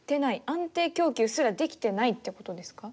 安定供給すらできてないってことですか？